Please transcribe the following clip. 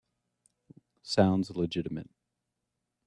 Sounds legitimate.